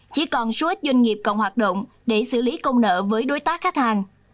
chỉ còn số ít doanh nghiệp còn hoạt động để xử lý công nợ với đối tác khách hàng